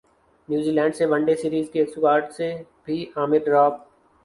New Zealand سے one day series کے squad سے بھی عامر ڈراپ